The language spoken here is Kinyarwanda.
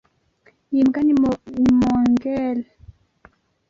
Iyi mbwa ni mongel.